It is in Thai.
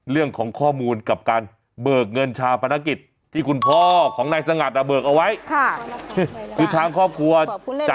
เรียกว่ารับต่อเนื่องกันไปยาวจนถึงสิ้นปีเลยค่ะ